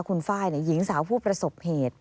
คุณไฟล์หญิงสาวผู้ประสบเหตุ